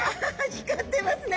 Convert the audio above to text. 光ってますね。